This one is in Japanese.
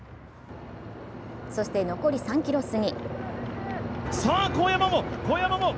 そして、残り３ｋｍすぎ。